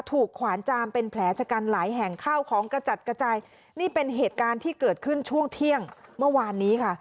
ขวานจามเป็นแผลชะกันหลายแห่งข้าวของกระจัดกระจายนี่เป็นเหตุการณ์ที่เกิดขึ้นช่วงเที่ยงเมื่อวานนี้ค่ะ